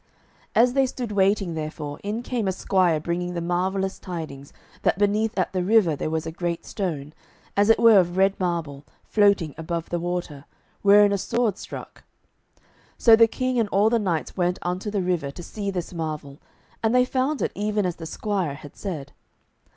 As they stood waiting therefor, in came a squire bringing the marvellous tidings that beneath at the river there was a great stone, as it were of red marble, floating above the water, wherein a sword stuck. So the King and all the knights went unto the river to see this marvel, and they found it even as the squire had said.